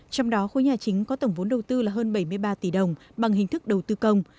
trong đó khối nhà chính có tổng vốn đầu tư là hơn bảy mươi ba tỷ đồng bằng hình thức đầu tư công